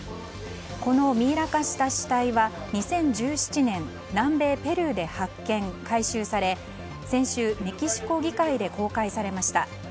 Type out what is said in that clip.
このミイラ化した死体は２０１７年南米ペルーで発見・回収され先週、メキシコ議会で公開されました。